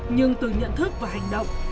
nhưng từ nhận thức và hành động